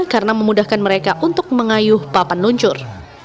karena memudahkan mereka untuk mengayuh papan luncur